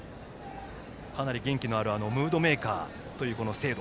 かなり元気のあるムードメーカーという清藤。